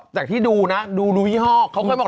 จากที่ดูนะดูรู้ยี่ห้อกเขาก็ไม่บอก